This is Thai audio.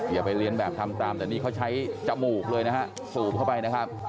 อย่าไปเรียนแบบทำตามแต่นี่เขาใช้จมูกเลยนะฮะสูบเข้าไปนะครับ